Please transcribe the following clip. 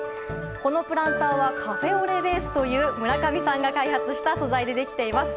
このプランターはカフェオレベースという村上さんが開発した素材でできています。